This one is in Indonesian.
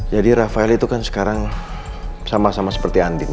jadi rafael itu kan sekarang sama sama seperti andin